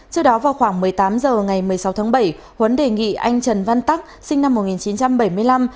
trước đó vào khoảng một mươi tám h ngày một mươi sáu tháng bảy huấn đề nghị anh trần văn tắc sinh năm một nghìn chín trăm bảy mươi năm